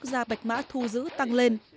vnk thu giữ tăng lên